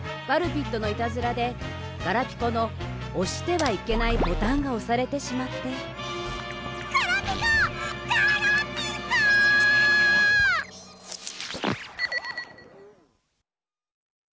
ワルピットのいたずらでガラピコのおしてはいけないボタンがおされてしまってガラピコ！